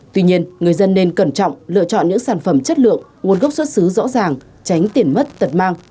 tuy nhiên người dân nên cẩn trọng lựa chọn những sản phẩm chất lượng nguồn gốc xuất xứ rõ ràng tránh tiền mất tật mang